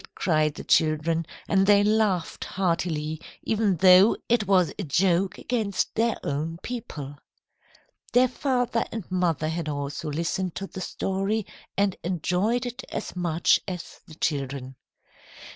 cried the children, and they laughed heartily, even though it was a joke against their own people. Their father and mother had also listened to the story and enjoyed it as much as the children.